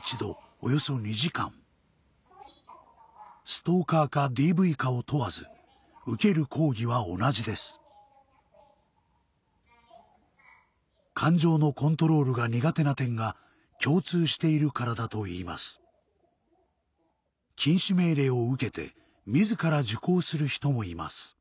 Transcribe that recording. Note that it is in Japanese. ストーカーかＤＶかを問わず受ける講義は同じです感情のコントロールが苦手な点が共通しているからだといいます禁止命令を受けて自ら受講する人もいます